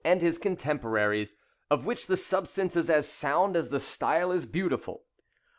and his contemporaries, of which the substance is as sound as the style is beautiful.